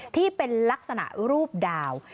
ที่เป็นลักษณะรูปดาว